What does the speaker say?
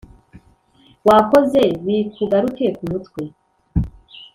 Wakoze bikugaruke ku mutwe